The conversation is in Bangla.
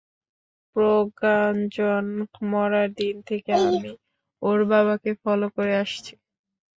প্রভাঞ্জন মরার দিন থেকে আমি ওর বাবাকে ফলো করে আসছি।